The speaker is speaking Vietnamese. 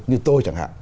như tôi chẳng hạn